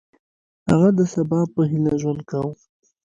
هغه د سبا په هیله ژوند کاوه.